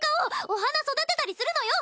お花育てたりするのよ